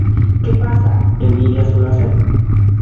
¿ Qué pasa? Envidia su láser.